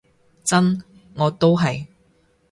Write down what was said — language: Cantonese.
真，我都係